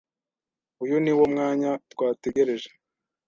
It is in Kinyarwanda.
Uyu niwo mwanya twategereje.